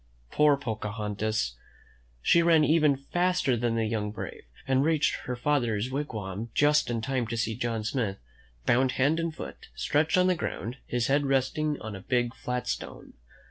Poor Pocahontas! She ran even faster than the young brave, and reached her father's wig wam just in time to see John Smith, bound hand and foot, stretched on the ground, his head resting on a big, flat stone.